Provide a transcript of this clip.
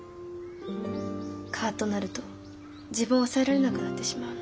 カッとなると自分を抑えられなくなってしまうの。